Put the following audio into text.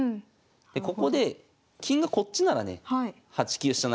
でここで金がこっちならね８九飛車